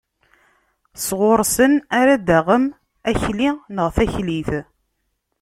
Sɣur-sen ara d-taɣem akli neɣ taklit.